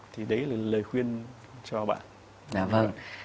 thì đấy là lời khuyên cho bạn